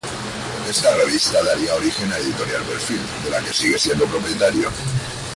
Esta revista daría origen a Editorial Perfil, de la que sigue siendo propietario.